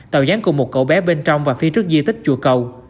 tạo dáng cùng một cậu bé bên trong và phía trước di tích chùa cầu